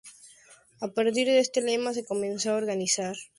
A partir de ese lema se comenzó a organizar esta fiesta, con mucho esfuerzo.